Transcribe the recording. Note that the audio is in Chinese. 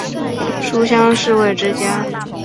书香世胄之家。